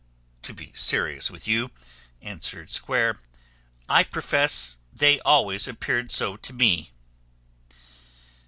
"To be serious with you," answered Square, "I profess they always appeared so to me."